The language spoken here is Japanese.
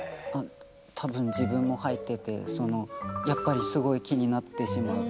多分自分も入っててやっぱりすごい気になってしまう。